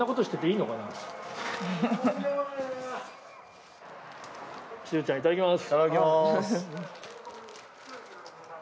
いただきます。